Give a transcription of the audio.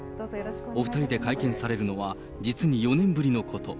お２人で会見されるのは実に４年ぶりのこと。